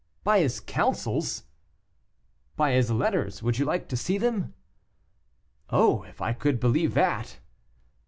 "By his counsels?" "By his letters. Would you like to see them?" "Oh! if I could believe that!"